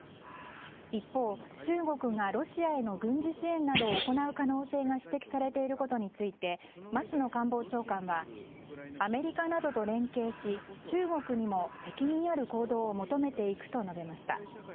一方、中国がロシアへの軍事支援などを行う可能性が指摘されていることについて松野官房長官はアメリカなどと連携し中国にも責任ある行動を求めていくと述べました。